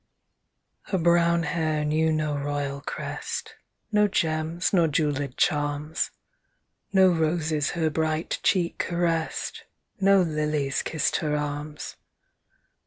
Her brown hair knew no royal crest, No gems nor jeweled charms, No roses her bright cheek caressed, No lilies kissed her arms.